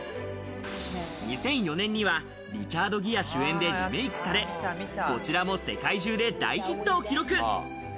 ２００４年にはリチャード・ギア主演でリメイクされ、こちらも世界中で大ヒットを記録。